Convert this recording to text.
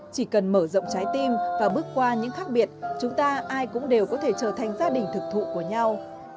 chỉ cần mở rộng trái tim và bước qua những khác biệt chúng ta ai cũng đều có thể trở thành gia đình thực thụ của nhau